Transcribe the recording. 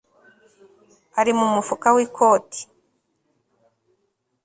ari mumufuka wikoti